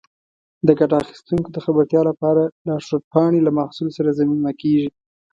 د ګټه اخیستونکو د خبرتیا لپاره لارښود پاڼې له محصول سره ضمیمه کېږي.